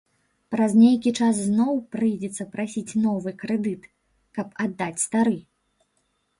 Праз нейкі час зноў прыйдзецца прасіць новы крэдыт, каб аддаць стары.